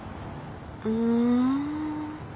うん。